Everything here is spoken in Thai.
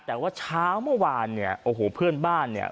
แต่ว่าเช้าเมื่อวานเนี่ยโอ้โหเพื่อนบ้านเนี่ย